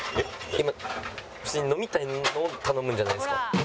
今普通に飲みたいのを頼むんじゃないんですか？